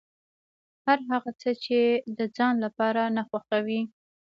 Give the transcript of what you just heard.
هر هغه څه چې د ځان لپاره نه خوښوې.